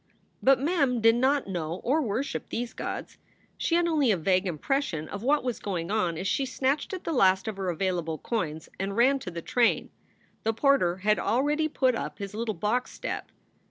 But Mem did not know or worship these gods. She had only a vague impression of what was going on as she snatched at the last of her available coins and ran to the train. The porter had already put up his little box step.